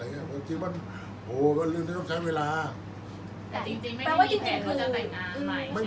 อันไหนที่มันไม่จริงแล้วอาจารย์อยากพูด